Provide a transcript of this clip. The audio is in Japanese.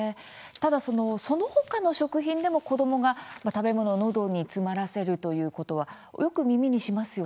ただそのほかの食品でも子どもが食べ物をのどに詰まらせるということはよく耳にしますよね。